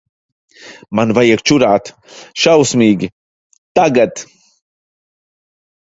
Man vajag čurāt. Šausmīgi. Tagad.